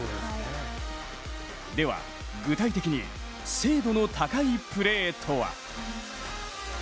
では、具体的に精度の高いプレーとは。